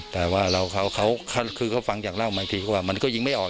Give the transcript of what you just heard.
แต่ว่าตัวภารกิจก็จะยิงไม่ออก